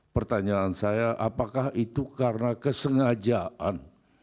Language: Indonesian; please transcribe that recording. pertanyaan saya apakah itu karena kesengajaan